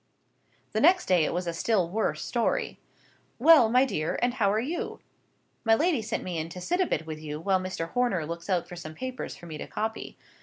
The next day it was a still worse story. "Well, my dear! and how are you? My lady sent me in to sit a bit with you, while Mr. Horner looks out some papers for me to copy.